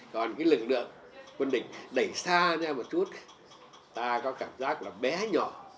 còn cái lực lượng quân địch đẩy xa ra một chút ta có cảm giác là bé nhỏ